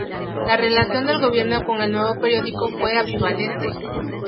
La relación del gobierno con el nuevo periódico fue ambivalente.